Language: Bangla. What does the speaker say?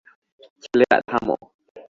ছেলেরা, থামো।